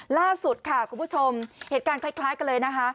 ล่าสุดค่ะคุณผู้ชมเหตุการณ์คล้ายกันเลยนะคะ